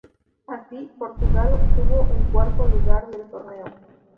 Así, Portugal obtuvo el cuarto lugar del torneo.